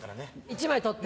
１枚取って。